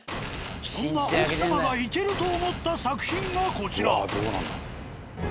そんな奥様がイケると思った作品がこちら。